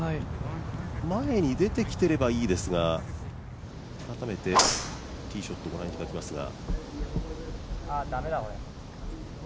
前に出てきてればいいですが改めてティーショットをご覧いただきますが。